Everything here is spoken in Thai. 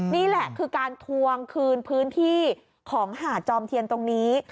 นี่แหละคือการทวงคืนพื้นที่ของหาดจอมเทียนตรงนี้